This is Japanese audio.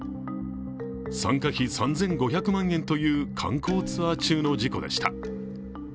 参加費３５００万円という観光ツアー中の事故でした。